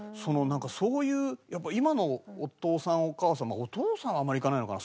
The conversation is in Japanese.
そういうやっぱ今のお父さんお母さんお父さんはあんまり行かないのかな？